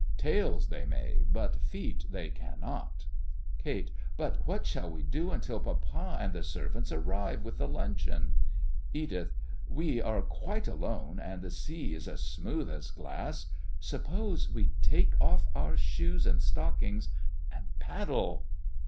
Tails they may, but feet they cannot. KATE: But what shall we do until Papa and the servants arrive with the luncheon? EDITH: We are quite alone, and the sea is as smooth as glass. Suppose we take off our shoes and stockings and paddle?